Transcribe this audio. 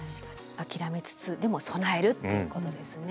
諦めつつでも備えるっていうことですね。